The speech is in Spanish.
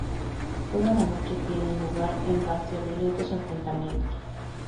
Toda la noche tienen lugar en Bastia violentos enfrentamientos.